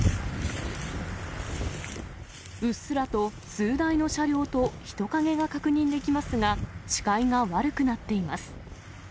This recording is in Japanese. うっすらと数台の車両と人影が確認できますが、視界が悪くなっています。